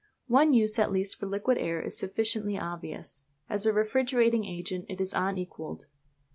One use at least for liquid air is sufficiently obvious. As a refrigerating agent it is unequalled.